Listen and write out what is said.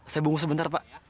saya bungu sebentar pak